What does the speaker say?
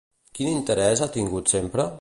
Quin interès ha tingut sempre?